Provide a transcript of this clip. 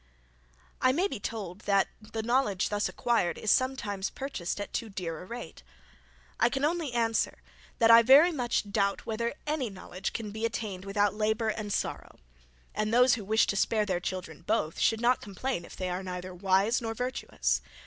I may be told, that the knowledge thus acquired, is sometimes purchased at too dear a rate. I can only answer, that I very much doubt whether any knowledge can be attained without labour and sorrow; and those who wish to spare their children both, should not complain if they are neither wise nor virtuous.